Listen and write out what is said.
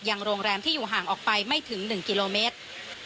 โรงแรมที่อยู่ห่างออกไปไม่ถึง๑กิโลเมตร